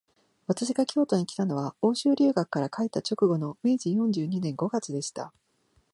私が京都にきたのは、欧州留学から帰った直後の明治四十二年五月でした